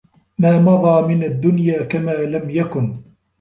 مَا مَضَى مِنْ الدُّنْيَا كَمَا لَمْ يَكُنْ